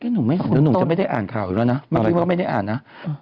หนูจะไม่ได้อ่านข่าวอยู่แล้วนะบางทีก็ไม่ได้อ่านนะ